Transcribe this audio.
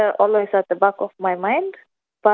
tapi ketika saya berpikir tentang hal hal yang berbeda